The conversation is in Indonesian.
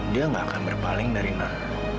dia nggak akan berpaling dari nol